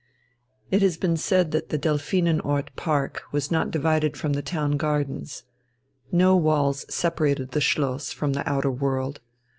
It has been said that the "Delphinenort" park was not divided from the Town Gardens. No walls separated the Schloss from the outer world.